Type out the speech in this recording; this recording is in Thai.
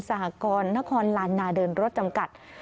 หกรณ์นครลานนาเดินรถจำกัด